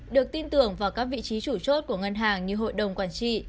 được tin tưởng vào các vị trí chủ chốt của ngân hàng như hội đồng quản trị